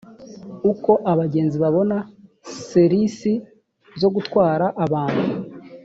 uko abagenzi babona ser isi zo gutwara abantu